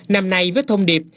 năm nay với thông điệp